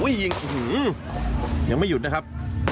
โอ้โหยังไม่หยุดนะครับ